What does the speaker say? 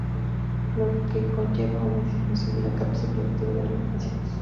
Lo que conlleva a una disminución de la capacidad productiva de la federación.